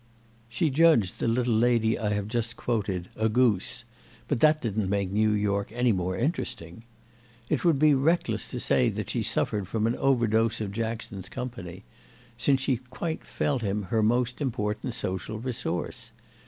She judged the little lady I have just quoted a goose, but that didn't make New York any more interesting. It would be reckless to say that she suffered from an overdose of Jackson's company, since she quite felt him her most important social resource.